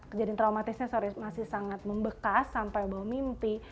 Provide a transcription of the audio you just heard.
kejadian traumatisnya sorry masih sangat membekas sampai bawa mimpi